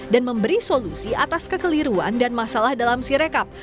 dan memberi solusi atas kekeliruan dan masalah dalam si rekap